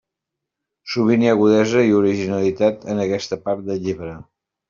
Sovint hi ha agudesa i originalitat en aquesta part del llibre.